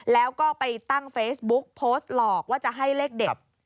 แล้วก็ไปตั้งเฟซบุ๊กโพสต์หลอกว่าจะให้เลขเด็ด